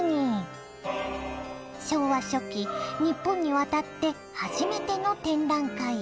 昭和初期日本に渡って初めての展覧会。